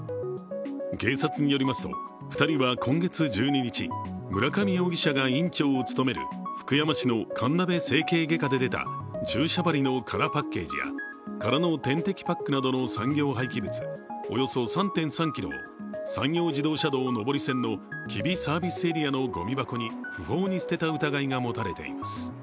警察によりますと２人は今月１２日、村上容疑者が院長を務める福山市のかんなべ整形外科で出た注射針の空パッケージや空の点滴パックなどの産業廃棄物、およそ３．３ｋｇを山陽自動車道上り線の吉備サービスエリアのごみ箱に不法に捨てた疑いが持たれています。